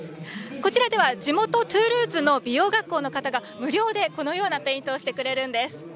こちらでは地元トゥールーズの美容学校の方が無料で、このようなペイントをしてくれるんです。